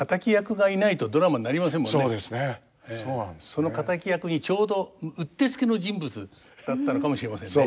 その敵役にちょうどうってつけの人物だったのかもしれませんね。